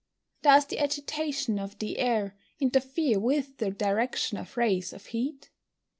_Does the agitation of the air interfere with the direction of rays of heat?